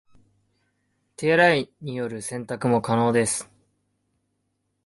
手洗いによる洗濯も可能です